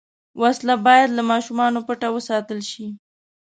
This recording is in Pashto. وسله باید له ماشومه پټه وساتل شي